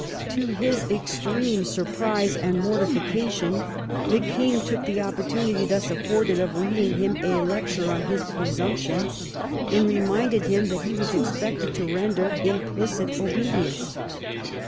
To his extreme surprise and mortification the king took the opportunity thus afforded of reading him a lecture on his presumption, and reminding him that he was expected to render implicit obedience.